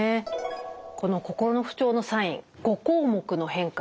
この心の不調のサイン５項目の変化